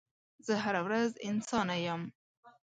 زه هره ورځ انسانه یم